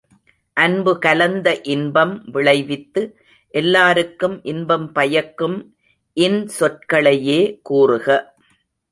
அன்பு கலந்த இன்பம் விளைவித்து எல்லாருக்கும் இன்பம் பயக்கும் இன்சொற்களையே கூறுக!